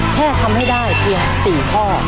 แค่ทำให้ได้เพียง๔ข้อ